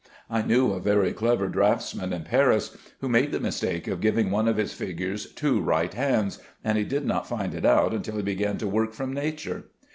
I knew a very clever draughtsman in Paris who made the mistake of giving one of his figures two right hands, and he did not find it out until he began to work from nature.